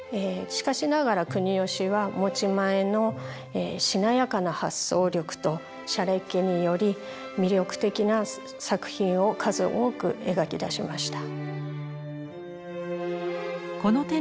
しかしながら国芳は持ち前のしなやかな発想力としゃれっ気により魅力的な作品を数多く描き出しました。